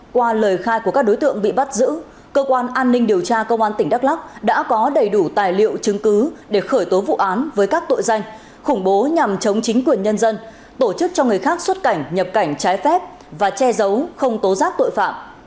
qua lời khai của các đối tượng bị bắt giữ cơ quan an ninh điều tra công an tỉnh đắk lắk đã có đầy đủ tài liệu chứng cứ để khởi tố vụ án với các tội danh khủng bố nhằm chống chính quyền nhân dân tổ chức cho người khác xuất cảnh nhập cảnh trái phép và che giấu không tố giác tội phạm